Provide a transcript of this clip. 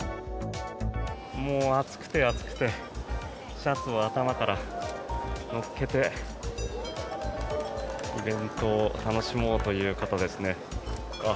もう暑くて暑くてシャツを頭から乗っけてイベントを楽しもうという方ですね。